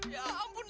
ya ampun dah